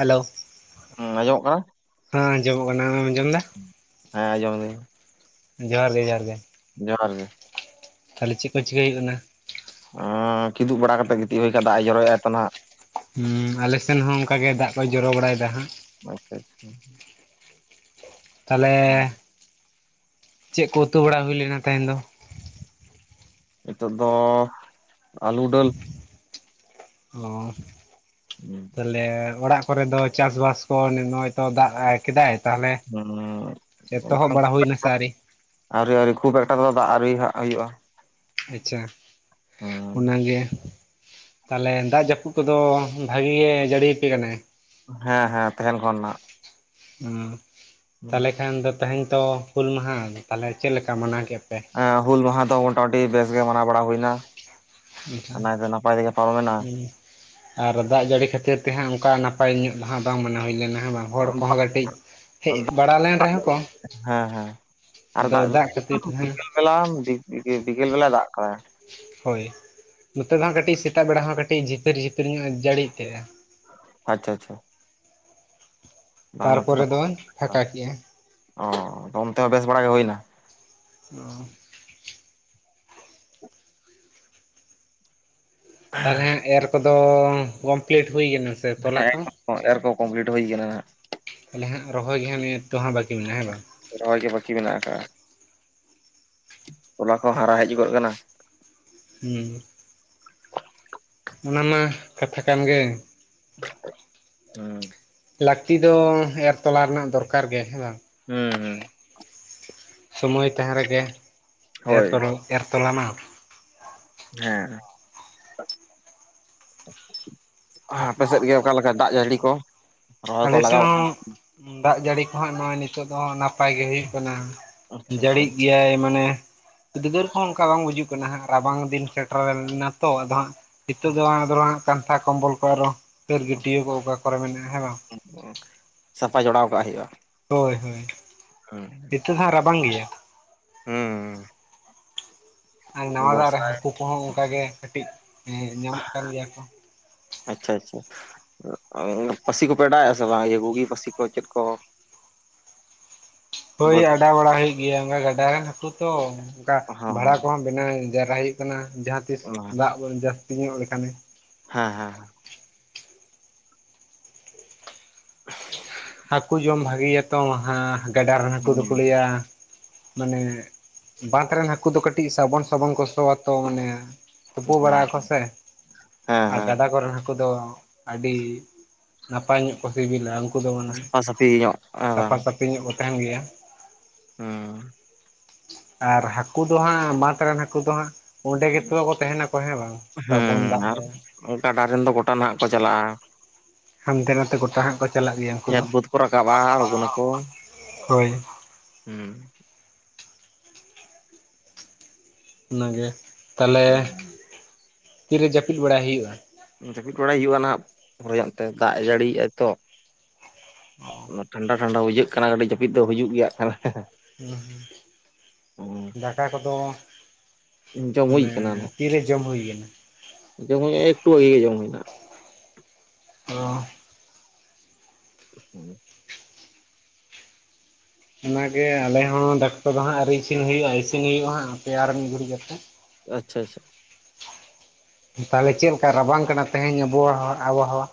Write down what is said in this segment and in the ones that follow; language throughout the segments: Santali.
ᱦᱮᱞᱳ ᱾ ᱦᱩᱸ ᱟᱸᱡᱚᱢᱚᱜ ᱠᱟᱱᱟ ᱦᱮᱸ ᱟᱸᱡᱚᱢᱚᱜ ᱠᱟᱱᱟ ᱾ ᱟᱢᱮᱢ ᱟᱸᱡᱚᱢ ᱮᱫᱟ? ᱦᱮᱸ ᱟᱸᱡᱚᱢ ᱫᱟᱹᱧ ᱡᱚᱦᱟᱨ ᱜᱮ ᱡᱚᱦᱟᱨ ᱜᱮ ᱾ ᱡᱚᱦᱟᱨ ᱜᱮ ᱾ ᱛᱟᱦᱚᱞᱮ ᱪᱮᱫ ᱠᱚ ᱪᱤᱠᱟᱹᱭ ᱦᱩᱭᱩᱜ ᱠᱟᱱᱟ? ᱩᱸ ᱠᱤᱫᱩᱵ ᱵᱟᱲᱟ ᱠᱟᱛᱮᱜ ᱜᱤᱛᱤᱡ ᱦᱩᱭ ᱠᱷᱟᱱ ᱫᱟᱜ ᱮ ᱡᱚᱨᱚᱭᱟᱭ ᱛᱚ ᱱᱟᱦᱟᱸᱜ᱾ ᱦᱩᱸ ᱟᱞᱮᱥᱮᱱ ᱦᱚᱸ ᱚᱱᱠᱟ ᱜᱮ ᱫᱟᱜ ᱠᱚ ᱡᱚᱨᱚ ᱵᱟᱲᱟᱭᱫᱟ ᱦᱟᱸᱜ᱾ ᱟᱪᱪᱷᱟ ᱟᱪᱪᱷᱟ᱾ ᱛᱟᱦᱚᱞᱮ ᱪᱮᱜ ᱠᱚ ᱩᱛᱩ ᱵᱟᱲᱟ ᱦᱩᱭ ᱞᱮᱱᱟ ᱛᱮᱦᱮᱸᱧ ᱫᱚ? ᱱᱤᱛᱚᱜ ᱫᱚ ᱟᱹᱞᱩ ᱰᱟᱹᱞ᱾ ᱚ ᱦᱩᱸ ᱛᱟᱦᱞᱮ ᱚᱲᱟᱜ ᱠᱚᱨᱮ ᱫᱚ ᱪᱟᱥᱵᱟᱥ ᱠᱚ ᱱᱚᱜ-ᱚᱭᱛᱚ ᱫᱟᱜ ᱠᱮᱫᱟᱭ ᱛᱟᱦᱚᱞᱮ ᱵᱟᱝ ᱮᱛᱚᱦᱚᱵ ᱵᱟᱲᱟ ᱦᱩᱭᱱᱟ ᱥᱮ ᱟᱣᱨᱤ? ᱟᱹᱣᱨᱤ ᱟᱹᱣᱨᱤ ᱠᱷᱩᱵ ᱮᱠᱴᱟ ᱫᱚ ᱫᱟᱜ ᱟᱹᱣᱨᱤ ᱦᱟᱜ ᱦᱩᱭᱩᱜᱼᱟ᱾ ᱟᱪᱪᱷᱟ ᱦᱩᱸ ᱚᱱᱟᱜᱮ ᱛᱟᱦᱚᱞᱮ ᱫᱟᱜ ᱡᱟᱹᱯᱩᱫ ᱠᱚᱫᱚ ᱵᱷᱟᱜᱤ ᱜᱮ ᱡᱟᱹᱲᱤ ᱟᱯᱮ ᱠᱟᱱᱟᱭ? ᱦᱮᱸ ᱦᱮᱸ ᱛᱮᱦᱮᱸᱱ ᱠᱷᱚᱱ ᱱᱟᱜ᱾ ᱩᱸ ᱛᱟᱦᱚᱞᱮ ᱠᱷᱟᱱ ᱫᱚ ᱛᱮᱦᱮᱧ ᱛᱚ ᱦᱩᱞ ᱢᱟᱦᱟ, ᱛᱟᱦᱚᱞᱮ ᱪᱮᱫ ᱞᱮᱠᱟ ᱯᱮ ᱢᱟᱱᱟᱣ ᱠᱮᱜᱼᱟ ᱯᱮ? ᱮᱸ ᱦᱩᱞ ᱢᱟᱦᱟ ᱫᱚ ᱢᱚᱴᱟᱢᱩᱴᱤ ᱵᱮᱥ ᱜᱮ ᱢᱟᱱᱟᱣ ᱵᱟᱲᱟ ᱦᱩᱭᱱᱟ᱾ ᱮᱱᱠᱷᱟᱱ ᱱᱟᱭᱛᱮ ᱱᱟᱯᱟᱭ ᱛᱮᱜᱮ ᱯᱟᱨᱚᱢᱮᱱᱟ ᱦᱩᱸ ᱟᱨ ᱫᱟᱜ ᱡᱟᱹᱲᱤ ᱠᱷᱟᱹᱛᱤᱨ ᱛᱮ ᱦᱟᱸᱜ ᱚᱝᱠᱟ ᱱᱟᱯᱟᱭ ᱧᱚᱜ ᱫᱚ ᱦᱟᱸᱜ ᱵᱟᱝ ᱢᱚᱱᱟ ᱦᱩᱭ ᱞᱮᱱᱟ ᱦᱮᱸ ᱵᱟᱝ? ᱦᱚᱲ ᱠᱚᱦᱚᱸ ᱠᱟᱹᱴᱤᱡ ᱦᱮᱡ ᱵᱟᱲᱟ ᱞᱮᱱ ᱨᱮᱦᱚᱸ ᱠᱚ ᱦᱮᱸ ᱦᱮᱸ ᱟᱫᱚ ᱫᱟᱜ ᱠᱷᱟᱹᱛᱤᱨ ᱛᱮ ᱦᱟᱸ ᱦᱚᱞᱟᱢ ᱵᱤᱠ ᱵᱤᱠᱟᱞ ᱵᱮᱞᱟᱭ ᱫᱟᱜ ᱠᱟᱫᱟ᱾ ᱦᱳᱭ ᱱᱚᱛᱮ ᱫᱚ ᱦᱟᱸᱜ ᱠᱟᱹᱴᱤᱡ ᱥᱮᱛᱟᱜ ᱵᱮᱲᱟ ᱦᱚᱸ ᱠᱟᱹᱴᱤᱡ ᱡᱷᱤᱯᱟᱹᱨ ᱡᱷᱤᱯᱟᱹᱨ ᱧᱚᱜ ᱡᱟᱹᱲᱤᱜ ᱛᱟᱦᱮᱸᱜᱼᱟ, ᱟᱪᱪᱷᱟ ᱟᱪᱪᱷᱟ᱾ ᱵᱟᱝ ᱱᱚᱛᱮ ᱛᱟᱨᱯᱚᱨᱮ ᱵᱟᱝ᱾ ᱫᱚ ᱯᱷᱟᱸᱠᱟ ᱠᱮᱜᱼᱟ᱾ ᱚ ᱚᱱᱛᱮ ᱦᱚᱸ ᱵᱮᱥ ᱵᱟᱲᱟ ᱜᱮ ᱦᱩᱭᱱᱟ? ᱚ᱾ ᱛᱟᱦᱚᱞᱮ ᱮᱨ ᱠᱚᱫᱚ ᱠᱚᱢᱯᱞᱤᱴ ᱦᱩᱭ ᱠᱟᱱᱟ ᱥᱮ ᱛᱚᱞᱟ ᱠᱚ ᱦᱮᱸ [inaudible] ᱮᱨᱚᱠᱚ ᱠᱚᱢᱯᱞᱤᱴ ᱦᱩᱭ ᱠᱟᱱᱟ ᱦᱟᱸᱜ᱾ ᱛᱟᱦᱞᱮ ᱦᱟᱸᱜ ᱨᱚᱦᱚᱭ ᱜᱮ ᱦᱟᱸᱜ ᱱᱤᱛᱚᱜ ᱦᱟᱸᱜ ᱵᱟᱹᱠᱤ ᱢᱮᱱᱟᱜᱼᱟ ᱦᱮᱸ ᱵᱟᱝ? ᱨᱚᱦᱚᱭ ᱜᱮ ᱵᱟᱹᱠᱤ ᱢᱮᱱᱟᱜ ᱠᱟᱜᱼᱟ, ᱚᱱᱟ ᱠᱚᱦᱚᱸ ᱦᱟᱨᱟ ᱦᱮᱡᱩᱜᱚᱜ ᱠᱟᱱᱟ᱾ ᱦᱩᱸ᱾ ᱚᱱᱟ ᱢᱟ ᱠᱟᱛᱷᱟ ᱠᱟᱱ ᱜᱮ, ᱦᱩᱸ᱾ ᱞᱟᱹᱠᱛᱤ ᱫᱚ ᱮᱨ ᱛᱚᱞᱟ ᱨᱮᱱᱟᱜ ᱫᱚᱨᱠᱟᱨ ᱜᱮ ᱦᱮᱸ ᱵᱟᱝ? ᱦᱩᱸ ᱦᱩᱸ᱾ ᱥᱚᱢᱳᱭ ᱛᱟᱦᱮᱸ ᱨᱮᱜᱮ ᱮᱨ ᱦᱳᱭ ᱛᱚᱞᱟ ᱮᱨ ᱛᱚᱞᱟ ᱢᱟ ᱦᱮᱸ᱾ ᱟᱯᱮ ᱥᱮᱫ ᱜᱮ ᱚᱠᱟᱮ ᱞᱮᱠᱟ ᱫᱟᱜ ᱡᱟᱹᱲᱟ ᱠᱚ? ᱨᱚᱦᱚᱭ ᱠᱚ ᱟᱞᱮᱥᱮᱫ ᱞᱟᱜᱟᱣ ᱠᱟᱱᱟ? ᱦᱚᱸ ᱫᱟᱜ ᱡᱟᱹᱲᱤ ᱠᱚᱦᱚᱸ ᱱᱚᱜᱼᱚᱭ ᱱᱤᱛᱚᱜ ᱫᱚ ᱱᱟᱯᱟᱭ ᱜᱮ ᱦᱩᱭᱩᱜ ᱠᱟᱱᱟ᱾ ᱟᱪᱪᱷᱟ ᱟᱪᱪᱷᱟ ᱡᱟᱹᱲᱤᱜ ᱜᱮᱭᱟᱭ ᱢᱟᱱᱮ ᱩᱫᱟᱹᱨ ᱠᱚᱦᱚᱸ ᱚᱝᱠᱟ ᱵᱟᱝ ᱵᱩᱡᱩᱜ ᱠᱟᱱᱟ᱾ ᱠᱟᱱᱟ ᱦᱟᱸᱜ ᱨᱟᱵᱟᱝ ᱫᱤᱱ ᱥᱮᱴᱮᱨ ᱞᱮᱱ ᱱᱟ ᱛᱚ ᱟᱫᱚ ᱦᱟᱸᱜ ᱱᱤᱛᱚᱜ ᱫᱚ ᱦᱟᱸᱜ ᱠᱟᱱᱛᱷᱟ ᱠᱚᱢᱵᱚᱞ ᱠᱚ ᱟᱨᱚ ᱫᱟᱹᱨ ᱜᱟᱹᱴᱭᱟᱹ ᱠᱚ ᱚᱠᱟ ᱠᱚᱨᱮ ᱢᱮᱱᱟᱜᱼᱟ ᱦᱮᱸ ᱵᱟᱝ? ᱩᱸ ᱥᱟᱯᱷᱟ ᱡᱚᱲᱟᱣ ᱠᱟᱜ ᱦᱩᱭᱩᱜᱼᱟ᱾ ᱦᱳᱭ ᱦᱳᱭ᱾ ᱩᱸ᱾ ᱱᱤᱛᱟᱜ ᱦᱟᱸᱜ ᱨᱟᱵᱟᱝ ᱜᱮᱭᱟ᱾ ᱦᱩᱸ᱾ ᱟᱨ ᱱᱟᱣᱟ ᱫᱟᱜ ᱨᱮ ᱵᱚᱨᱥᱟᱭ ᱦᱟᱹᱠᱩ ᱠᱚᱦᱚᱸ ᱚᱱᱠᱟ ᱜᱮ ᱠᱟᱹᱴᱤᱡ ᱮᱸ ᱧᱟᱢᱚᱜ ᱠᱟᱱ ᱜᱮᱭᱟ ᱠᱚ᱾ ᱟᱪᱪᱷᱟ ᱟᱪᱪᱷᱟ᱾ ᱯᱟᱹᱥᱤ ᱠᱚ ᱯᱮᱰᱟᱭᱟ ᱥᱮ ᱵᱟᱝ? ᱜᱩᱜᱤ ᱯᱟᱹᱥᱤ ᱠᱚ ᱪᱮᱫ ᱠᱚ ᱦᱳᱭ ᱵᱟᱹᱫᱽ ᱚᱰᱟᱣ ᱵᱟᱲᱟ ᱦᱩᱭᱩᱜ ᱜᱮᱭᱟ ᱚᱱᱠᱟ ᱜᱟᱰᱟ ᱨᱮᱱ ᱦᱟᱹᱠᱩ ᱛᱚ ᱚᱱᱠᱟ ᱦᱚᱸ ᱵᱷᱟᱲᱟ ᱠᱚᱦᱚᱸ ᱵᱮᱱᱟᱣ ᱡᱟᱣᱨᱟ ᱦᱩᱭᱩᱜ ᱠᱟᱱᱟ ᱡᱟᱦᱟᱸ ᱛᱤᱥ ᱚᱱᱟ ᱫᱟᱜ ᱡᱟᱹᱥᱛᱤ ᱧᱚᱜ ᱞᱮᱠᱷᱟᱱᱮ ᱦᱮᱸ ᱦᱮᱸ᱾ ᱦᱟᱹᱠᱩ ᱡᱚᱢ ᱵᱷᱟᱹᱜᱮᱭᱟᱛᱚ ᱦᱟᱸ ᱜᱟᱰᱟ ᱨᱮᱱ ᱦᱟᱹᱠᱩ ᱦᱩᱸ ᱫᱚᱠᱚ ᱞᱟᱹᱭᱟ ᱢᱟᱱᱮ ᱵᱟᱸᱫᱽ ᱨᱮᱱ ᱦᱟᱹᱠᱩ ᱫᱚ ᱠᱟᱹᱴᱤᱡ ᱥᱟᱵᱚᱱ ᱥᱟᱵᱚᱱ ᱠᱚ ᱥᱚᱣᱟᱛᱚ ᱢᱟᱱᱮ ᱛᱩᱯᱩ ᱵᱟᱲᱟ ᱟᱠᱚ ᱥᱮ ᱦᱮᱸ ᱟᱨ ᱦᱮᱸ ᱜᱟᱰᱟ ᱠᱚᱨᱮᱱ ᱦᱟᱹᱠᱩ ᱫᱚ ᱟᱹᱰᱤ ᱱᱟᱯᱟᱭ ᱧᱚᱜ ᱠᱚ ᱥᱤᱵᱤᱞᱟ ᱩᱝ ᱥᱟᱯᱷᱟ ᱥᱟᱹᱯᱷᱤ ᱧᱚᱜ ᱦᱮᱸ ᱵᱟᱝ? [inaudible] ᱧᱚᱜ ᱠᱚ ᱛᱟᱦᱮᱸᱱ ᱜᱮᱭᱟ᱾ ᱦᱩᱸ᱾ ᱟᱨ ᱦᱟᱹᱠᱩ ᱫᱚ ᱦᱟᱸᱜ ᱢᱟᱸᱫᱽ ᱨᱮᱱ ᱦᱟᱹᱠᱩ ᱫᱚ ᱦᱟᱸᱜ ᱚᱸᱰᱮ ᱜᱮᱛᱚᱮ ᱠᱚ ᱛᱟᱦᱮᱸᱱᱟᱠᱚ ᱦᱮᱸ ᱵᱟᱝ? ᱥᱟᱵᱚᱱ ᱦᱮᱸ ᱫᱟᱜ ᱟᱨ ᱨᱮ ᱜᱟᱰᱟ ᱨᱮᱱ ᱫᱚ ᱜᱚᱴᱟ ᱱᱟᱦᱟᱸᱜ ᱠᱚ ᱪᱟᱞᱟᱜᱼᱟ᱾ ᱦᱟᱸᱱᱛᱮ ᱱᱟᱱᱛᱮ ᱜᱚᱴᱟ ᱦᱟᱸᱜ ᱠᱚ ᱪᱟᱞᱟᱜ ᱜᱮᱭᱟ ᱩᱱᱠᱩ ᱠᱷᱮᱛ ᱫᱚ ᱵᱟᱹᱫᱽ ᱠᱚ ᱨᱟᱠᱟᱵᱼᱟ ᱦᱳᱭ᱾ ᱦᱩᱸ᱾ ᱚᱱᱟᱜᱮ ᱛᱟᱦᱞᱮ ᱦᱩᱸ ᱛᱤᱨᱮ ᱡᱟᱹᱯᱤᱫ ᱵᱟᱲᱟᱭ ᱦᱩᱭᱩᱜᱼᱟ? ᱡᱟᱹᱯᱤᱫ ᱵᱟᱲᱟᱭ ᱦᱩᱭᱩᱜᱼᱟ ᱱᱟᱦᱟᱸᱜ ᱯᱚᱨᱚᱜᱛᱮ ᱫᱟᱜ ᱮ ᱡᱟᱹᱲᱤᱭᱟᱭ ᱛᱚ᱾ ᱦᱩᱸ ᱴᱷᱟᱱᱰᱟ ᱴᱷᱟᱱᱰᱟ ᱵᱩᱡᱷᱟᱹᱜ ᱠᱟᱱᱟ ᱜᱟᱹᱰᱤ ᱡᱟᱹᱯᱤᱫ ᱫᱚ ᱦᱤᱡᱩᱜ ᱜᱮᱭᱟ ᱦᱟᱹᱜᱠᱷᱟᱱ᱾ ᱩᱸ ᱦᱩᱸ ᱫᱟᱠᱟ ᱠᱚᱫᱚ ᱡᱚᱢ ᱦᱩᱭ ᱢᱟᱱᱮ ᱠᱟᱱᱟ ᱱᱟᱦᱟᱜ ᱛᱤᱨᱮ ᱡᱚᱢ ᱦᱩᱭ ᱠᱟᱱᱟ? ᱡᱚᱢ ᱦᱩᱭ ᱱᱟ ᱮᱠᱴᱩ ᱵᱷᱟᱹᱜᱤ ᱜᱮ ᱡᱚᱢ ᱦᱩᱭ ᱱᱟ᱾ ᱚ᱾ ᱦᱩᱸ ᱚᱱᱟᱜᱮ ᱟᱞᱮ ᱦᱚᱸ ᱫᱟᱠᱟ ᱠᱚᱫᱚ ᱦᱟᱸᱜ ᱟᱣᱨ ᱤᱥᱤᱱ ᱦᱩᱭᱩᱜᱼᱟ ᱤᱥᱤᱱ ᱦᱩᱭᱩᱜᱼᱟ ᱦᱟᱸᱜ ᱯᱮ ᱟᱨ ᱢᱤᱫ ᱜᱷᱟᱲᱤᱡ ᱠᱟᱛᱮ᱾ ᱟᱪᱪᱷᱟ ᱪᱷᱟ᱾ ᱛᱟᱦᱚᱞᱮ ᱪᱮᱫᱞᱮᱠᱟ ᱨᱟᱵᱟᱝ ᱠᱟᱱᱟ ᱛᱮᱦᱮᱧ ᱟᱵᱚᱦᱟᱣᱟ ᱟᱵᱚᱦᱟᱣᱟ?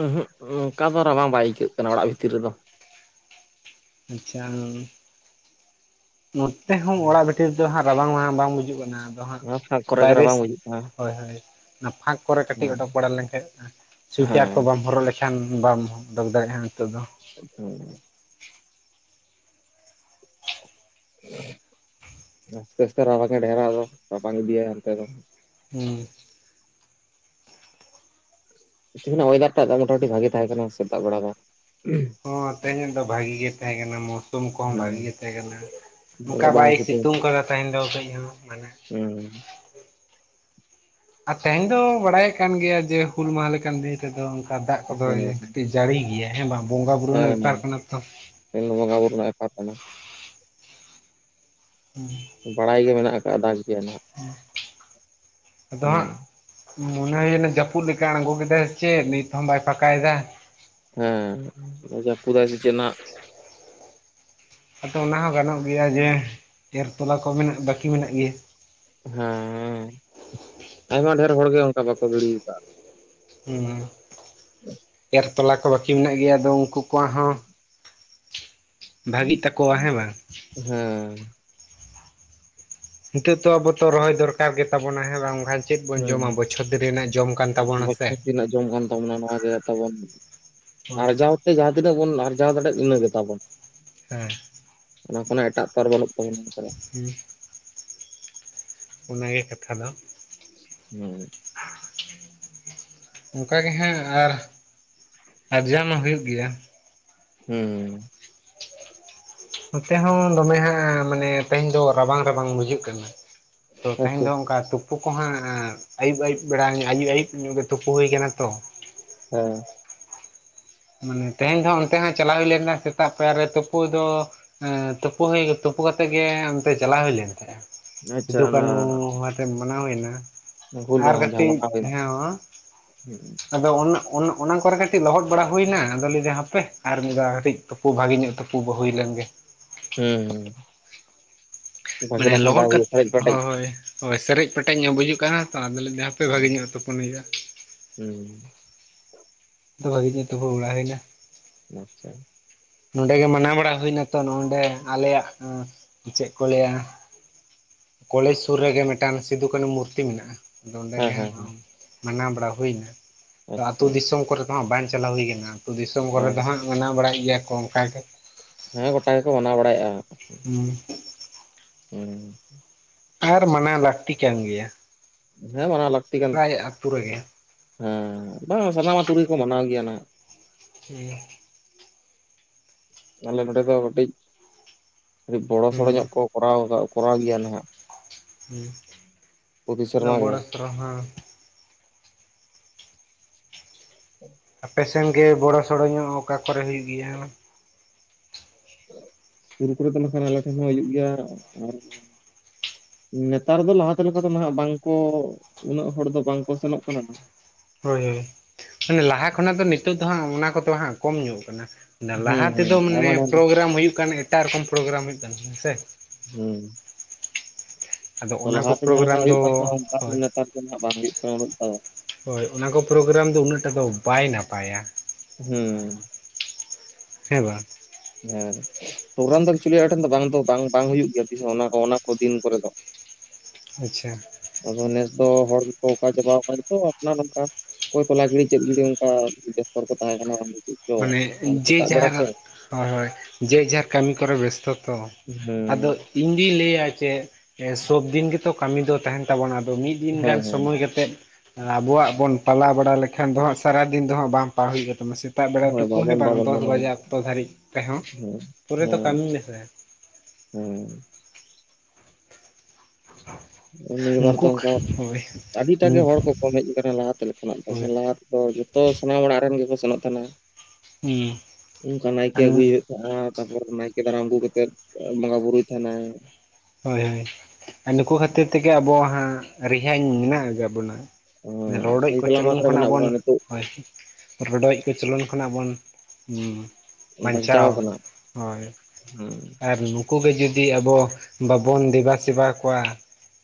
ᱩᱸᱦᱩᱸᱜ ᱚᱝᱠᱟ ᱫᱚ ᱨᱟᱵᱟᱝ ᱵᱟᱭ ᱟᱹᱭᱠᱟᱹᱜ ᱠᱟᱱᱟ ᱚᱲᱟᱜ ᱵᱷᱤᱛᱤᱨ ᱨᱮᱫᱚ᱾ ᱟᱪᱪᱷᱟ ᱱᱚᱛᱮ ᱦᱚᱸ ᱚᱲᱟᱜ ᱵᱷᱴᱤᱨ ᱨᱮᱫᱚ ᱦᱟᱸᱜ ᱨᱟᱵᱟᱝ ᱵᱟᱝ ᱜᱩᱡᱩᱜ ᱠᱟᱱᱟ, ᱟᱫᱚ ᱦᱟᱸᱜ ᱚᱱᱟ ᱯᱷᱟᱸᱠ ᱠᱚᱨᱮ ᱜᱮ ᱵᱟᱭᱨᱮᱤᱥ ᱨᱟᱵᱟᱝ ᱵᱩᱡᱩᱜ ᱠᱟᱱᱟ ᱦᱳᱭ ᱦᱳᱭ ᱚᱱᱟ ᱯᱷᱟᱸᱠ ᱠᱚᱨᱮ ᱠᱟᱹᱴᱤᱡ ᱦᱮᱸ ᱚᱰᱳᱚᱠ ᱵᱟᱲᱟ ᱞᱮᱱᱠᱟᱡ ᱥᱩᱭᱮᱴᱟᱨ ᱠᱚ ᱦᱮᱸ ᱵᱟᱢ ᱦᱚᱨᱚᱜ ᱞᱮᱠᱷᱟᱱ ᱵᱟᱢ ᱩᱰᱚᱠ ᱫᱟᱲᱮᱜᱼᱟ ᱱᱤᱛᱚᱜ ᱫᱚ᱾ ᱦᱮᱸ᱾ ᱟᱥᱛᱮ ᱟᱥᱛᱮ ᱨᱟᱵᱟᱝ ᱮ ᱰᱷᱮᱨᱟ ᱫᱚ ᱨᱟᱵᱟᱝ ᱤᱫᱤᱭᱟ ᱦᱟᱸᱱᱛᱮ ᱫᱚ᱾ ᱦᱩᱸ᱾ ᱛᱮᱦᱮᱧ ᱚᱭᱮᱫᱟᱨᱴᱟᱜ ᱢᱚᱴᱟᱢᱩᱴᱤ ᱵᱷᱟᱜᱮ ᱛᱟᱦᱮᱸ ᱠᱟᱱᱟ ᱥᱮᱛᱟᱜ ᱵᱮᱲᱟ ᱫᱚ᱾ ᱦᱚᱸ ᱛᱮᱦᱮᱧᱚᱜ ᱫᱚ ᱵᱷᱟᱜᱤ ᱜᱮ ᱛᱟᱦᱮᱸ ᱠᱟᱱᱟ ᱢᱳᱣᱥᱩᱢ ᱠᱚᱦᱚᱸ ᱦᱩᱸ ᱵᱷᱟᱜᱤ ᱜᱮ ᱛᱟᱦᱮᱸ ᱠᱟᱱᱟ᱾ ᱚᱸᱠᱟ ᱩᱱᱟᱹᱜ ᱵᱟᱝ ᱵᱟᱭ ᱥᱤᱛᱩᱝ ᱠᱟᱫᱟ ᱛᱟᱦᱮᱱ ᱫᱚ ᱠᱟᱹᱡ ᱦᱚᱸ ᱢᱟᱱᱮ ᱦᱩᱸ᱾ ᱟᱨ ᱛᱮᱦᱮᱧ ᱫᱚ ᱵᱟᱲᱟᱭ ᱠᱟᱱ ᱜᱮᱭᱟ ᱡᱮ ᱦᱩᱞ ᱢᱟᱦᱟ ᱞᱮᱠᱟᱱ ᱫᱤᱱ ᱨᱮᱫᱚ ᱚᱝᱠᱟ ᱫᱟᱜ ᱠᱚᱫᱚ ᱦᱮᱸ ᱠᱟᱹᱴᱤᱡ ᱡᱟᱹᱲᱤ ᱜᱮᱭᱟ ᱦᱮᱸ ᱵᱟᱝ ᱵᱚᱸᱜᱟ ᱵᱩᱨᱩ ᱨᱮᱱᱟᱜ ᱵᱮᱯᱟᱨ ᱠᱟᱱᱟ ᱛᱚ, ᱮᱱᱦᱚᱸ ᱵᱚᱸᱜᱟ ᱵᱩᱨᱩ ᱨᱮᱱᱟᱜ ᱵᱮᱯᱟᱨ ᱠᱟᱱᱟ᱾ ᱫᱟᱲᱟᱭ ᱜᱮ ᱢᱮᱱᱟᱜ ᱟᱠᱟᱫᱟ ᱫᱟᱜ ᱜᱮᱭᱟ ᱱᱟᱜ, ᱟᱫᱚ ᱦᱮᱸᱼᱼ ᱦᱟᱸᱜ ᱢᱚᱱᱮ ᱦᱩᱭᱱᱟ ᱡᱟᱹᱯᱩᱫ ᱞᱮᱠᱟ ᱟᱬᱜᱚ ᱠᱮᱫᱟᱭ ᱪᱮᱫ ᱱᱤᱛ ᱦᱚᱸ ᱵᱟᱭ ᱯᱷᱟᱠᱟᱭᱮᱫᱟ ᱾ ᱦᱩᱸ ᱡᱟᱹᱯᱤᱫ ᱟᱭ ᱥᱮ ᱪᱮᱫ ᱱᱟᱜ ᱾ ᱟᱫᱚ ᱚᱱᱟ ᱦᱚᱸ ᱜᱟᱱᱚᱜ ᱜᱮᱭᱟ ᱡᱮ, ᱮᱨ ᱛᱚᱞᱟ ᱠᱚ ᱢᱮᱱᱟᱜ ᱵᱟᱹᱠᱤ ᱢᱮᱱᱟᱜ ᱜᱮᱭᱟ ᱾ ᱦᱩᱸ ᱟᱭᱢᱟ ᱰᱷᱮᱨ ᱦᱚᱲᱜᱮ ᱚᱱᱠᱟ ᱵᱟᱠᱚ ᱜᱤᱲᱤᱭᱟᱠᱟᱫ ᱾ ᱮᱨ ᱛᱚᱞᱟ ᱠᱚ ᱵᱟᱠᱤ ᱢᱮᱱᱟᱜ ᱜᱮᱭᱟ ᱟᱫᱚ ᱩᱱᱠᱩ ᱠᱚᱣᱟᱜ ᱦᱚᱸᱼᱼ ᱵᱷᱟᱜᱤᱜ ᱛᱟᱠᱚᱣᱟ ᱦᱮᱸ ᱵᱟᱝ ᱾ ᱦᱩᱸ ᱱᱤᱛᱚᱜ ᱛᱮ ᱟᱵᱚ ᱫᱚ ᱨᱚᱦᱚᱭ ᱫᱚᱨᱠᱟᱨ ᱜᱮᱛᱟᱵᱚᱱᱟ ᱦᱮᱸ ᱵᱟᱝ ᱵᱷᱟᱼᱼ ᱦᱩᱚᱸ ᱛᱟᱵᱚᱱᱟ ᱥᱮ ᱵᱚᱪᱷᱚᱨ ᱛᱤᱹᱱᱟᱜ ᱡᱚᱢ ᱠᱟᱱ ᱛᱟᱵᱚᱱᱟ ᱱᱚᱣᱟ ᱛᱟᱵᱚᱱ ᱾ ᱦᱳᱭ ᱟᱨ ᱡᱟᱣᱛᱮ ᱡᱟᱦᱟᱸ ᱛᱤᱱᱟᱹᱜ ᱵᱚᱱ ᱟᱨᱡᱟᱣ ᱫᱟᱲᱮᱭᱟᱜ ᱤᱱᱟᱹ ᱜᱮ ᱛᱟᱵᱚᱱ ᱾ ᱦᱩᱸ ᱚᱱᱟ ᱠᱷᱚᱱᱟᱜ ᱮᱴᱟᱜ ᱯᱚᱨ ᱵᱟᱹᱱᱚᱜ ᱛᱟᱦᱮᱱᱟ ᱱᱮᱛᱟᱨ ᱾ ᱦᱮᱸ ᱚᱱᱟᱜᱮ ᱠᱟᱛᱷᱟ ᱫᱚ ᱾ ᱦᱩᱸ ᱚᱱᱠᱟ ᱜᱮ ᱦᱟᱸᱜ ᱟᱨ ᱟᱨᱡᱟᱣ ᱢᱟ ᱦᱩᱭᱩᱜ ᱜᱮᱭᱟ ᱾ ᱦᱩᱸ ᱱᱚᱛᱮ ᱦᱚᱸ ᱫᱚᱢᱮ ᱦᱚᱸ ᱢᱟᱱᱮ ᱛᱮᱦᱮᱧ ᱫᱚ ᱨᱟᱵᱟᱝ ᱨᱟᱵᱟᱝ ᱵᱩᱡᱩᱜ ᱠᱟᱱᱟ ᱾ ᱛᱮᱛᱟᱝ ᱟᱪᱪᱷᱟ ᱜᱮ ᱚᱱᱠᱟ ᱥᱩᱠᱼᱼ ᱚᱠᱟ ᱦᱚᱸ ᱟᱹᱭᱩᱵ ᱟᱹᱭᱩᱵ ᱫᱚ ᱵᱟᱝ ᱟᱹᱭᱩᱵ ᱟᱹᱭᱩᱵ ᱧᱚᱜ ᱜᱮ ᱛᱩᱯᱩ ᱦᱩᱭ ᱟᱠᱟᱱᱟ ᱛᱚ ᱾ ᱦᱮᱸ ᱦᱩᱸ ᱛᱮᱦᱮᱧ ᱚᱱᱛᱮ ᱦᱚᱸ ᱪᱟᱞᱟᱣ ᱦᱩᱭ ᱞᱮᱱᱟ ᱥᱮᱛᱟᱜ ᱯᱮᱭᱟᱨ ᱨᱮ ᱛᱩᱯᱩ ᱫᱚ ᱾ ᱦᱮᱸ ᱛᱩᱯᱩ ᱦᱩᱭ, ᱛᱩᱯᱩ ᱠᱟᱛᱮᱜ ᱜᱮ ᱚᱱᱛᱮ ᱪᱟᱞᱟᱣ ᱦᱩᱭ ᱞᱮᱱ ᱛᱟᱦᱮᱫᱼᱟ ᱟᱪᱪᱷᱟ ᱥᱤᱫᱩ ᱚᱱᱟ ᱠᱟᱱᱩ ᱦᱚᱲᱼᱼ ᱢᱟᱱᱟᱣ ᱦᱩᱭᱱᱟ ᱦᱩᱞ ᱟᱨ ᱢᱟᱦᱟ ᱡᱟᱦᱟᱸ ᱠᱟᱹᱴᱤᱡ ᱢᱟᱱᱟᱣ ᱦᱩᱭᱱᱟ ᱦᱮᱸᱼᱼ ᱟᱫᱚ ᱚᱱᱮ ᱚᱱᱮ ᱚᱱᱠᱟ ᱨᱮ ᱠᱟᱹᱴᱤᱡ ᱞᱚᱦᱚᱫᱼᱼ ᱵᱟᱲᱟ ᱦᱩᱭᱱᱟ ᱟᱫᱚ ᱞᱮᱭᱫᱟ ᱦᱟᱯᱮ ᱟᱨ ᱢᱤᱫ ᱫᱷᱟᱣ ᱠᱟᱹᱴᱤᱡ ᱛᱩᱯᱩ ᱵᱷᱟᱜᱤ ᱧᱚᱜ ᱛᱩᱯᱩ ᱦᱩᱭ ᱞᱮᱱᱜᱮ ᱾ ᱦᱩᱸ ᱢᱟᱱᱮ ᱞᱚᱦᱚᱫ ᱦᱩᱭᱩᱜ ᱯᱮᱨᱮᱡ ᱠᱟᱛᱮᱫ ᱯᱮᱴᱮᱡ ᱦᱳᱭ ᱦᱳᱭᱼᱼ ᱦᱚᱭ ᱥᱮᱨᱮᱡ ᱯᱮᱴᱮᱡ ᱧᱚᱜ ᱵᱩᱡᱩᱜ ᱠᱟᱱᱟ ᱛᱚ ᱟᱫᱚ ᱞᱟᱹᱭᱫᱟ ᱦᱟᱸᱯᱮ ᱵᱷᱟᱹᱜᱤ ᱧᱚᱜ ᱛᱚᱯᱚᱱ ᱦᱩᱭᱩᱜᱼᱟ ᱾ ᱦᱩᱸ ᱵᱷᱟᱹᱜᱤ ᱧᱚᱜ ᱛᱩᱯᱩ ᱵᱟᱲᱟ ᱦᱩᱭᱮᱱᱟ ᱾ ᱟᱪᱪᱷᱟ ᱾ ᱱᱚᱸᱰᱮ ᱜᱮ ᱢᱟᱱᱟᱣ ᱵᱟᱲᱟ ᱦᱩᱭ ᱱᱟ ᱛᱚ ᱱᱚᱸᱰᱮ ᱟᱞᱮᱭᱟᱜ ᱪᱮᱫ ᱠᱚ ᱞᱟᱹᱭᱟᱼᱼ ᱠᱚᱞᱮᱡᱽ ᱥᱩᱨ ᱨᱮᱜᱮ ᱢᱤᱫᱴᱟᱱ ᱥᱤᱫᱩᱠᱟᱱᱩ ᱢᱩᱨᱛᱤ ᱢᱮᱱᱟᱜᱼᱟ ᱟᱫᱚ ᱚᱱᱰᱮ ᱦᱮᱸ ᱜᱮᱼᱼ ᱦᱮᱸ ᱢᱟᱱᱟᱣ ᱵᱟᱲᱟ ᱦᱩᱭᱱᱟ ᱾ ᱟᱫᱚ ᱟᱹᱛᱩ ᱟᱪᱪᱷᱟ ᱫᱤᱥᱚᱢ ᱠᱚᱨᱮ ᱫᱚ ᱦᱟᱸᱜ ᱵᱟᱝ ᱪᱟᱞᱟᱣ ᱦᱩᱭ ᱠᱟᱱᱟ ᱟᱹᱛᱩ ᱫᱤᱥᱚᱢ ᱠᱚᱨᱮ ᱟᱨ ᱫᱚ ᱦᱟᱸᱜᱼᱼ ᱢᱟᱱᱟᱣ ᱵᱟᱲᱟᱭᱮᱫ ᱜᱮᱭᱟ ᱠᱚ ᱚᱱᱠᱟ ᱜᱮ ᱾ ᱦᱮᱸ ᱜᱚᱴᱟ ᱜᱮᱠᱚ ᱢᱟᱱᱟᱣ ᱵᱟᱲᱟᱭᱮᱫᱼᱟ ᱾ ᱦᱩᱸ ᱦᱩᱸ ᱟᱨ ᱢᱟᱱᱟᱣ ᱞᱟᱹᱠᱛᱤ ᱠᱟᱱ ᱜᱮᱭᱟ ᱾ ᱦᱮᱸ ᱢᱟᱱᱟᱣ ᱞᱟᱹᱠᱛᱤ ᱠᱟᱱ, ᱨᱮᱜᱮ ᱦᱮᱸ ᱵᱟᱝ ᱥᱟᱱᱟᱢ ᱟᱹᱛᱩ ᱨᱮᱜᱮ ᱠᱚ ᱢᱟᱱᱟᱣ ᱜᱮᱭᱟ ᱱᱟᱜ ᱾ ᱴᱷᱤᱠ [unintelligible] ᱟᱞᱮ ᱱᱚᱸᱰᱮ ᱫᱚ ᱠᱟᱹᱴᱤᱡ ᱠᱟᱹᱴᱤᱡ ᱵᱚᱲᱚ ᱥᱚᱲᱚ ᱦᱩᱸ ᱧᱚᱜ ᱠᱚᱼᱼ ᱠᱚᱨᱟᱣ ᱠᱟᱜ ᱠᱚᱨᱟᱣ ᱜᱮᱭᱟ ᱱᱟᱜ ᱾ ᱦᱮᱸ ᱯᱨᱚᱛᱤ ᱚᱱᱟ ᱥᱮᱨᱢᱟ ᱜᱮ ᱵᱚᱲᱚᱛᱨᱚ ᱦᱟᱸᱜ [inaudible] ᱟᱯᱮᱥᱮᱱ ᱜᱮ ᱵᱚᱲᱚ ᱥᱚᱲᱚ ᱧᱚᱜ ᱚᱠᱟ ᱠᱚᱨᱮ ᱦᱩᱭᱩᱜ ᱜᱮᱭᱟ? ᱥᱩᱨ ᱠᱚᱨᱮ ᱫᱚ ᱱᱟᱠᱷᱟᱱ ᱟᱞᱮ ᱴᱷᱮᱱ ᱦᱚᱸ ᱦᱩᱭᱩᱜ ᱜᱮᱭᱟ ᱟᱨ, ᱱᱮᱛᱟᱨ ᱫᱚ ᱞᱟᱦᱟᱛᱮ ᱞᱮᱠᱟ ᱫᱚ ᱱᱟᱦᱟᱜ ᱵᱟᱝᱠᱚ ᱩᱱᱟᱹᱜ ᱦᱚᱲ ᱫᱚ ᱵᱟᱝᱠᱚ ᱥᱮᱱᱚᱜ ᱠᱟᱱᱟ ᱱᱟ, ᱦᱳᱭ ᱦᱳᱭ ᱢᱟᱱᱮ ᱞᱟᱦᱟ ᱠᱷᱚᱱᱟᱜ ᱫᱚ ᱱᱤᱛᱚᱜ ᱫᱚ ᱦᱟᱸᱜ ᱚᱱᱟ ᱠᱚᱫᱚ ᱦᱟᱸᱜ ᱠᱚᱢ ᱧᱚᱜ ᱠᱟᱱᱟ᱾ ᱦᱩᱸ ᱞᱟᱦᱟ ᱦᱩᱸ ᱛᱮᱫᱚ ᱢᱟᱱᱮ ᱟᱭᱢᱟ ᱰᱷᱮᱨ ᱯᱨᱳᱜᱨᱟᱢ ᱦᱩᱭᱩᱜ ᱠᱟᱱ ᱮᱴᱟᱜ ᱨᱮᱠᱚᱢ ᱯᱨᱳᱜᱨᱟᱢ ᱦᱩᱭᱩᱜ ᱠᱟᱱᱟ ᱦᱮᱸᱥᱮ, ᱦᱩᱸ, ᱟᱫᱚ ᱛᱚ ᱚᱱᱟ ᱠᱚ ᱞᱟᱦᱟᱛᱮ ᱯᱨᱳᱜᱨᱟᱢ ᱡᱟᱦᱟᱸᱞᱮᱠᱟ ᱦᱩᱭᱩᱜ ᱫᱚ ᱠᱟᱱ ᱛᱟᱦᱮᱸ ᱚᱱᱠᱟ ᱫᱚ ᱦᱳᱭ ᱱᱮᱛᱟᱨ ᱫᱚᱦᱟᱸᱜ ᱵᱟᱝ ᱦᱩᱭᱩᱜ ᱠᱟᱱᱟ ᱩᱱᱟᱹᱜ ᱴᱟ, ᱦᱳᱭ ᱚᱱᱟᱠᱚ ᱯᱨᱳᱜᱨᱟᱢ ᱫᱚ ᱩᱱᱟᱹᱜ ᱴᱟ ᱫᱚ ᱵᱟᱭ ᱱᱟᱯᱟᱭᱟ᱾ ᱦᱩᱸ, ᱦᱮᱸ ᱵᱟᱝ, ᱦᱮᱸ, ᱯᱨᱳᱜᱨᱟᱢ ᱫᱚ ᱪᱤᱞᱤ ᱟᱴᱷᱮᱱ ᱫᱚ ᱵᱟᱝ ᱫᱚ ᱵᱟᱝ ᱵᱟᱝ ᱦᱩᱭᱩᱜ ᱜᱮᱭᱟ ᱚᱱᱟ ᱠᱚ ᱚᱱᱟ ᱠᱚ ᱫᱤᱱ ᱠᱚᱨᱮ ᱫᱚ᱾ ᱟᱪᱪᱷᱟ, ᱟᱫᱚ ᱱᱮᱥ ᱫᱚ ᱦᱚᱲ ᱜᱮᱠᱚ ᱚᱠᱟ ᱪᱟᱵᱟᱣ ᱟᱠᱟᱱ ᱛᱚ ᱟᱯᱱᱟᱨ ᱱᱚᱝᱠᱟ, ᱚᱠᱚᱭ ᱛᱚᱞᱟ ᱜᱤᱲᱤ ᱪᱮᱫ [unintelligible] ᱚᱱᱠᱟ ᱵᱮᱥᱛᱚᱨᱮ ᱠᱚ ᱛᱟᱦᱮᱸ ᱠᱟᱱᱟ᱾ ᱪᱮᱫ ᱪᱚ ᱢᱟᱹᱱᱮ ᱡᱮ ᱥᱮᱛᱟᱜ ᱵᱮᱲᱟ ᱡᱷᱟᱨ, ᱛᱚ ᱦᱳᱭ ᱦᱳᱭ ᱡᱮ ᱡᱟᱨ ᱠᱟᱹᱢᱤ ᱠᱚᱨᱮ ᱵᱮᱥᱛᱚ ᱛᱚ ᱦᱮᱸ ᱟᱫᱚ, ᱦᱮᱸ ᱤᱧ ᱫᱩᱧ ᱞᱟᱹᱭᱟ ᱪᱮ ᱥᱚᱵ ᱫᱤᱱ ᱜᱮᱛᱚ ᱠᱟᱹᱢᱤ ᱫᱚ ᱛᱟᱦᱮᱱ, ᱛᱟᱵᱚᱱᱟ ᱟᱫᱚ ᱢᱤᱫ ᱫᱤᱱ ᱜᱟᱱ ᱦᱮᱸ ᱥᱚᱢᱚᱭ ᱠᱟᱛᱮᱜ ᱟᱵᱚᱣᱟᱜ ᱵᱚᱱ ᱯᱟᱞᱟᱣ ᱵᱟᱲᱟ ᱞᱮᱠᱷᱟᱱ ᱫᱚ ᱦᱟᱸᱜ ᱥᱟᱨᱟᱫᱤᱱ ᱫᱚ ᱦᱟᱸᱜ ᱵᱟᱝ ᱯᱟ ᱦᱩᱭᱩᱜ ᱜᱮ ᱛᱟᱵᱚᱱᱟ ᱥᱮ, ᱥᱮᱛᱟᱜ ᱵᱮᱲᱟ ᱦᱳᱭ ᱴᱩᱠᱩ ᱦᱮᱸ ᱵᱟᱵᱚᱱ ᱵᱟᱝ ᱵᱟᱵᱚᱱ ᱫᱚᱥ ᱢᱟᱱᱟᱣᱟ ᱵᱟᱡᱮ ᱚᱠᱛᱚ ᱫᱷᱟᱹᱨᱤᱜ ᱛᱮᱦᱚᱸ ᱦᱮᱸ ᱯᱩᱨᱟᱹ ᱫᱚ ᱠᱟᱹᱢᱤ ᱢᱮᱥᱮ᱾ ᱦᱩᱸ, [inaudible] ᱱᱤᱭᱟᱹᱵᱟᱨ ᱫᱚ ᱱᱩᱠᱩ ᱚᱱᱠᱟ ᱦᱳᱭ ᱟᱹᱰᱤᱴᱟᱜ ᱜᱮ ᱦᱩᱸ ᱦᱚᱲ ᱠᱚ ᱠᱚᱢ ᱦᱮᱜ ᱟᱠᱟᱱᱟ ᱞᱟᱦᱟᱛᱮ ᱞᱮᱠᱟᱱᱟᱜ ᱫᱚ ᱦᱳᱭ ᱞᱟᱦᱟᱛ, ᱚ ᱡᱚᱛᱚ ᱥᱟᱱᱟᱢ ᱚᱲᱟᱜ ᱨᱮᱱ ᱜᱮᱠᱚ ᱥᱮᱱᱚᱜ ᱛᱟᱦᱮᱱᱟ ᱚᱱᱠᱟ ᱱᱟᱭᱠᱮ ᱦᱩᱸ ᱟᱹᱜᱩᱭ ᱮ, ᱟᱨ ᱛᱟᱯᱚᱨ ᱱᱟᱭᱠᱮ ᱫᱟᱨᱟᱢ ᱟᱹᱜᱩ ᱠᱟᱛᱮᱜ ᱵᱚᱸᱜᱟ ᱵᱩᱨᱩᱭ ᱛᱟᱦᱮᱱᱟᱭ᱾ ᱦᱳᱭ ᱦᱳᱭ ᱟᱨ ᱱᱩᱠᱩ ᱠᱷᱟᱹᱛᱤᱨ ᱛᱮᱜᱮ ᱟᱵᱚ ᱦᱟᱸᱜ ᱨᱮᱦᱟᱧ ᱢᱮᱱᱟᱜ ᱟᱠᱟᱫ ᱵᱚᱱᱟ, ᱦᱮᱸ ᱨᱚᱰᱚᱡ ᱥᱟᱹᱦᱤ ᱥᱟᱞᱟᱢᱟᱛ ᱠᱚᱪᱚᱞᱚᱱ ᱨᱮ ᱠᱷᱚᱱᱟᱜ ᱢᱮᱱᱟᱜ ᱵᱚᱱ ᱵᱚᱱᱟ ᱱᱤᱛᱚᱜ ᱦᱳᱭ, ᱨᱚᱰᱚᱡ ᱠᱚᱪᱚᱞᱚᱱ ᱠᱷᱚᱱᱟᱜ ᱵᱚᱱ ᱦᱩᱸ ᱵᱟᱧᱪᱟᱣ ᱦᱚᱭ ᱦᱮᱸ ᱟᱨ ᱱᱩᱠ ᱩᱱᱠᱩ ᱜᱮ ᱡᱩᱫᱤ ᱟᱵᱚ ᱵᱟᱵᱚᱱ ᱫᱮᱵᱟ ᱥᱮᱵᱟ ᱠᱚᱣᱟ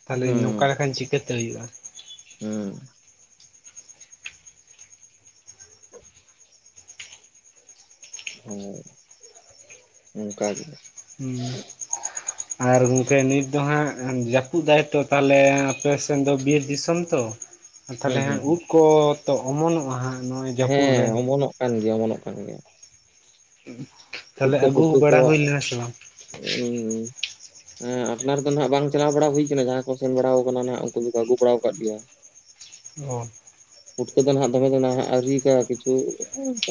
ᱛᱟᱦᱚᱞᱮ ᱱᱚᱝᱠᱟ ᱞᱮᱠᱟᱱ ᱪᱤᱠᱟᱹ ᱛᱮ ᱦᱩᱭᱩᱜᱼᱟ᱾ ᱦᱩᱸ, ᱦᱩᱸ ᱚᱱᱠᱟ ᱜᱮ, ᱦᱩᱸ, [inaudible] ᱟᱨ ᱜᱚᱝᱠᱮ ᱱᱤᱛ ᱫᱚ ᱦᱟᱸᱜ ᱡᱟᱹᱯᱩᱫ ᱫᱟᱭ ᱛᱚ ᱛᱟᱦᱚᱞᱮ ᱟᱯᱮᱥᱮᱱ ᱫᱚ ᱵᱤᱨ ᱫᱤᱥᱚᱢ ᱛᱚ, [inaudible] ᱟᱨ ᱛᱟᱦᱚᱞᱮ ᱦᱟᱸᱜ ᱦᱩᱸ ᱩᱫ ᱠᱚ ᱛᱚ ᱚᱢᱚᱱᱚᱜᱼᱟ ᱦᱟᱸᱜ, ᱱᱚᱜᱼᱚᱭ ᱡᱟᱹᱯᱩᱫ ᱨᱮ ᱦᱮᱸ ᱚᱢᱚᱱᱚᱜ ᱠᱟᱱ ᱜᱮᱭᱟ ᱚᱢᱚᱱᱚᱜ ᱠᱟᱱ ᱜᱮᱭᱟ᱾ ᱛᱟᱦᱚᱞᱮ ᱟᱹᱜᱩ ᱵᱟᱲᱟ ᱦᱩᱭ ᱞᱮᱱᱟ ᱥᱮ ᱵᱟᱝ? ᱦᱩᱸᱻ ᱦᱮᱸ ᱟᱯᱱᱟᱨ ᱫᱚ ᱱᱟᱦᱟᱜ ᱵᱟᱝ ᱪᱟᱞᱟᱣ ᱵᱟᱲᱟ ᱦᱩᱭᱠᱟᱱᱟ ᱡᱟᱦᱟᱸ ᱠᱚ ᱥᱮᱱ ᱵᱟᱲᱟ ᱟᱠᱟᱱᱟ ᱱᱟᱦᱟᱜ ᱩᱱᱠᱩ ᱫᱚᱠᱚ ᱟᱹᱜᱩ ᱵᱟᱲᱟ ᱠᱟᱜ ᱜᱮᱭᱟ᱾ [inaudible] ᱚ ᱯᱩᱴᱠᱟᱹ ᱫᱚ ᱱᱟᱦᱟᱜ ᱫᱚᱢᱮ ᱫᱚ ᱱᱟᱦᱟᱜ ᱟᱹᱣᱨᱤ ᱠᱟ ᱠᱚᱣᱟ ᱠᱤᱪᱷᱩ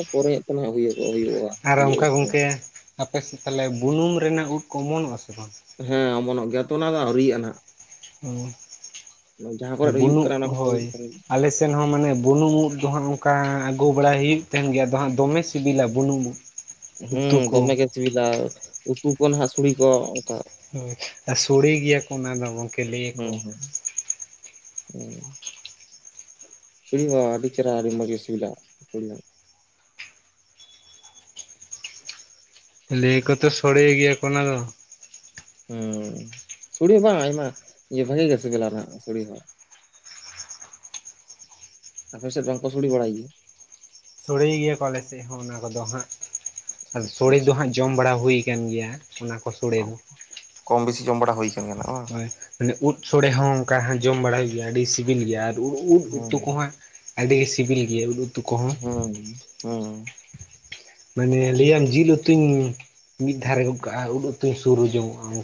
ᱯᱚᱨᱮ [unintelligible] ᱦᱩᱭᱩᱜᱼᱟ ᱾ ᱟᱨ ᱚᱱᱠᱟ ᱜᱚᱝᱠᱮ ᱟᱯᱮ ᱥᱮᱫ ᱛᱟᱦᱚᱞᱮ ᱵᱩᱱᱩᱢ ᱨᱮᱱᱟᱜ ᱩᱫᱽ ᱠᱚ ᱚᱢᱚᱱᱚᱜᱼᱟ ᱥᱮ ᱵᱟᱝ? ᱦᱮᱸ ᱚᱢᱚᱱᱚᱜ ᱜᱮᱭᱟ ᱛᱚ, ᱚᱱᱟ ᱫᱚ ᱟᱹᱣᱨᱤᱭᱟ ᱱᱟᱦᱟᱜ ᱾ ᱡᱟᱦᱟᱸ ᱠᱚᱨᱮ ᱦᱩᱭᱩᱜ ᱵᱩᱞᱩᱜ ᱠᱟᱱᱟ ᱚᱱᱟ ᱠᱚᱨᱮ ᱦᱳᱭ ᱦᱩᱭᱩᱜ ᱠᱟᱱ ᱜᱮᱭᱟ ᱟᱞᱮ ᱥᱮᱱ ᱦᱚᱸ ᱢᱟᱱᱮ ᱵᱩᱱᱩᱝ ᱩᱫᱽ ᱫᱚ ᱦᱟᱸᱜ ᱚᱱᱠᱟ ᱟᱹᱜᱩ ᱵᱟᱲᱟᱭ ᱦᱩᱭᱩᱜ ᱛᱟᱦᱮᱱ ᱜᱮᱭᱟ, ᱟᱫᱚ ᱦᱟᱸᱜ ᱫᱚᱢᱮ ᱥᱤᱵᱤᱞᱟ ᱵᱩᱞᱩᱝ ᱩᱫᱽ ᱾ ᱦᱮᱸ ᱫᱚᱢᱮ ᱜᱮ ᱥᱩᱵᱤᱫᱷᱟ ᱩᱛᱩ ᱠᱚ ᱱᱟᱜ ᱥᱩᱲᱤ ᱠᱚ ᱚᱱᱠᱟ ᱦᱳ ᱟᱨ ᱥᱚᱲᱮ ᱜᱮᱭᱟ ᱠᱚ ᱚᱱᱟ ᱫᱚ ᱜᱚᱢᱠᱮ ᱞᱟᱹᱭ ᱟᱠᱚ ᱾ ᱦᱮᱸ ᱾ [unintelligible] ᱟᱹᱰᱤ ᱪᱮᱨᱦᱟ, ᱟᱹᱰᱤ ᱢᱚᱡᱽ ᱜᱮ ᱥᱤᱵᱤᱞᱟ [inaudible] ᱞᱟᱹᱭ ᱠᱚ ᱛᱚ ᱥᱚᱲᱮ ᱜᱮᱭᱟ ᱠᱚ. ᱚᱱᱟ ᱫᱚ ᱾ ᱦᱮᱸ ᱥᱚᱲᱮ ᱦᱚᱸ ᱵᱟᱝ ᱟᱭᱢᱟ ᱵᱷᱟᱹᱜᱤ ᱜᱮ ᱥᱤᱠᱤᱞᱟ ᱦᱟᱱᱟᱜ ᱥᱚᱲᱮ ᱦᱚᱸ ᱾ ᱟᱯᱮ ᱥᱮᱫ ᱵᱟᱝ ᱠᱚ ᱥᱚᱲᱮ ᱵᱟᱲᱟᱭ ᱜᱮᱭᱟ? ᱥᱳᱲᱮ ᱜᱮᱭᱟ ᱠᱚ ᱟᱞᱮ ᱥᱮᱫ ᱦᱚᱸ ᱚᱱᱟ ᱠᱚᱫᱚ ᱦᱟᱸᱜ ᱾ ᱟᱫᱚ ᱟᱪᱪᱷᱟ ᱥᱚᱲᱮ ᱫᱚ ᱟᱪᱪᱷᱟ ᱦᱟᱸᱜ ᱡᱚᱢ ᱵᱟᱲᱟ ᱦᱩᱭ ᱟᱠᱟᱱ ᱜᱮᱭᱟ, ᱚᱱᱟ ᱠᱚ ᱥᱚᱲᱮ ᱫᱚ ᱾ ᱠᱚᱢ ᱵᱮᱥᱤ ᱡᱚᱢ ᱵᱟᱲᱟ ᱦᱩᱭ ᱠᱟᱱᱟ ᱾ ᱦᱳᱭ ᱢᱟᱱᱮ ᱩᱫᱽ ᱥᱳᱲᱮ ᱦᱚᱸ ᱚᱱᱠᱟ ᱡᱚᱢ ᱵᱟᱲᱟᱭ ᱦᱩᱭᱩᱜ ᱜᱮᱭᱟ ᱟᱹᱰᱤ ᱥᱤᱵᱤᱞ ᱜᱮᱭᱟ ᱟᱨ ᱩᱫᱽ ᱩᱛᱩ ᱦᱩᱸ ᱠᱚᱦᱚᱸ ᱟᱹᱰᱤ ᱥᱤᱵᱤᱞ ᱜᱮᱭᱟ ᱾ ᱦᱮᱸ ᱦᱮᱸ ᱾ ᱢᱟᱱᱮ ᱞᱟᱹᱭ ᱟᱢ ᱡᱤᱞ ᱩᱛᱩᱧ ᱢᱤᱫ ᱫᱷᱟᱨᱮ ᱜᱚᱫ ᱠᱟᱜᱼᱟ ᱩᱫᱽ ᱩᱛᱩᱧ ᱥᱩᱨ ᱡᱚᱧᱚᱜᱼᱟ ᱾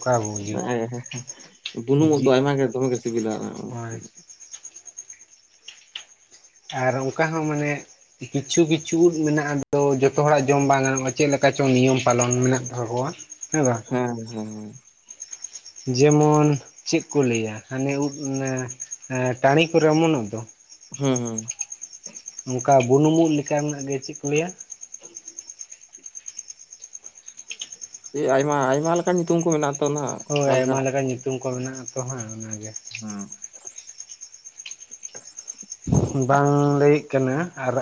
ᱦᱮᱸ ᱦᱮᱸ ᱾ ᱵᱩᱱᱩᱢ ᱫᱚ ᱡᱤᱞ ᱟᱭᱢᱟ ᱜᱮ ᱫᱚᱢᱮ ᱜᱮ ᱥᱤᱵᱤᱞᱟ ᱾ ᱦᱳᱭ ᱟᱨ ᱚᱱᱠᱟ ᱦᱚᱸ ᱢᱟᱱᱮ ᱠᱤᱪᱷᱩ ᱠᱤᱪᱷᱩ ᱩᱫᱽ ᱢᱮᱱᱟᱜᱼᱟ, ᱟᱫᱚ ᱡᱚᱛᱚ ᱦᱚᱲᱟᱜ ᱡᱚᱢ ᱵᱟᱝ ᱜᱟᱱᱚᱜᱼᱟ᱾ ᱪᱮᱫ ᱞᱮᱠᱟ ᱪᱚᱝ ᱱᱤᱭᱚᱢ ᱯᱟᱞᱚᱱ ᱢᱮᱱᱟᱜ ᱛᱟᱠᱚᱣᱟ᱾ ᱦᱮᱸ ᱵᱟᱝ? ᱦᱮᱸ ᱦᱮᱸ ᱦᱮᱸ ᱾ ᱡᱮᱢᱚᱱ ᱪᱮᱫ ᱠᱚ ᱞᱟᱹᱭᱟ ᱦᱟᱱᱮ ᱩᱫᱽ ᱴᱟᱺᱤ ᱠᱚᱨᱮ ᱚᱢᱚᱱᱚᱜ ᱫᱚ ᱾ ᱦᱮᱸ ᱦᱩᱸ ᱾ ᱱᱚᱝᱠᱟ ᱵᱩᱱᱩᱢᱚᱜ ᱞᱮᱠᱟᱱᱟᱜ ᱜᱮ ᱪᱮᱫ ᱠᱚ ᱞᱟᱹᱭᱟ? [inaudible] ᱟᱭᱢᱟ ᱟᱭᱢᱟ ᱞᱮᱠᱟᱱ ᱧᱩᱛᱩᱢ ᱠᱚ ᱢᱮᱱᱟᱜ ᱛᱚ ᱱᱟᱦᱟᱜ ᱦᱳᱭ ᱚᱠᱟ ᱟᱭᱢᱟ ᱞᱮᱠᱟᱱᱟᱜ ᱞᱮᱠᱟᱱ ᱧᱩᱛᱩᱢ ᱠᱚ ᱢᱮᱱᱟᱜ-ᱟ ᱛᱚ ᱦᱟᱸ ᱚᱱᱟᱜᱮ ᱦᱮᱸ [inaudible] ᱵᱟᱝ ᱞᱟᱹᱭᱮᱜ ᱠᱟᱱᱟ ᱟᱨ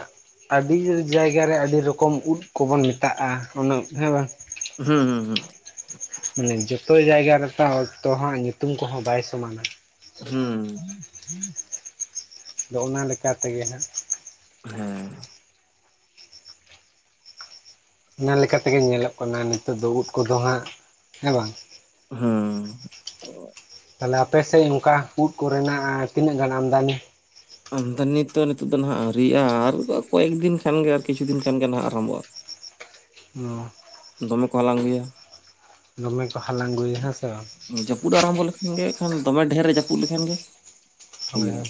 ᱟᱹᱰᱤ ᱡᱟᱭᱜᱟ ᱨᱮ ᱟᱹᱰᱤ ᱨᱚᱠᱚᱢ ᱩᱫᱽ ᱠᱚᱵᱚᱱ ᱢᱮᱛᱟᱜᱼᱟ᱾ ᱩᱫᱽ ᱦᱮᱸ ᱵᱟᱝ᱾ ᱦᱩᱸ ᱦᱩᱸ ᱦᱩᱸ ᱾ ᱢᱟᱱᱮ ᱡᱚᱛᱚ ᱡᱟᱭᱜᱟ ᱨᱮᱛᱚ ᱚᱠᱛᱚ ᱦᱚᱸ ᱧᱩᱛᱩᱢ ᱠᱚᱦᱚᱸ ᱵᱟᱭ ᱥᱚᱢᱟᱱᱟ᱾ ᱦᱩᱸ ᱾ [unintelligible] ᱟᱫᱚ ᱚᱱᱟ ᱞᱮᱠᱟ ᱛᱮᱜᱮ ᱦᱟᱸᱜ ᱦᱮᱸ ᱾ ᱚᱱᱟ ᱞᱮᱠᱟ ᱛᱮᱜᱮ ᱧᱮᱞᱚᱜ ᱠᱟᱱᱟ, ᱱᱤᱛᱚᱜ ᱫᱚ ᱩᱫᱽ ᱠᱚᱫᱚ ᱦᱟᱸᱜ ᱦᱮᱸ ᱵᱟᱝ᱾ ᱦᱮᱸ ᱾ ᱛᱟᱦᱚᱞᱮ ᱟᱯᱮ ᱥᱮᱫ ᱚᱱᱠᱟ ᱩᱫᱽ ᱠᱚᱨᱮᱱᱟᱜ ᱛᱤᱱᱟᱹᱜ ᱜᱟᱱ ᱟᱢᱫᱟᱱᱤ? ᱟᱢᱫᱟᱱᱤ ᱱᱤᱛ ᱛᱚ ᱱᱤᱛᱚᱜ ᱫᱚ ᱱᱟᱦᱟᱜ ᱟᱹᱣᱨᱤᱭᱟᱜᱼᱟ, ᱟᱨ ᱠᱚᱭᱮᱠ ᱫᱤᱱ ᱠᱷᱟᱱ ᱜᱮ ᱟᱨ ᱠᱤᱪᱷᱩ ᱫᱤᱱ ᱠᱷᱟᱱ ᱜᱮ ᱱᱟᱜ ᱟᱨᱚᱢᱵᱷᱚᱜᱼᱟ᱾ ᱚᱸ ᱫᱚᱢᱮ ᱠᱚ ᱦᱟᱞᱟᱝ ᱟᱹᱜᱩᱭᱟ ᱫᱚᱢᱮ ᱠᱚ ᱦᱟᱞᱟᱝ ᱟᱹᱜᱩᱭᱟ ᱦᱮᱸ ᱥᱮ ᱵᱟᱝ ᱡᱟᱹᱯᱩᱫ ᱟᱨᱟᱢ ᱜᱮ ᱠᱷᱟᱱ ᱫᱚᱢᱮ ᱰᱷᱮᱨ ᱨᱮ ᱡᱟᱹᱯᱩᱫ ᱞᱮᱠᱷᱟᱱ ᱜᱮ ᱦᱳᱭ ᱦᱩᱭᱩᱜᱼᱟ᱾ ᱦᱳᱭ